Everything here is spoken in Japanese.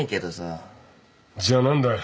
じゃ何だよ。